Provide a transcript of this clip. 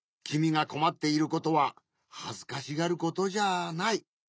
きみがこまっていることははずかしがることじゃない。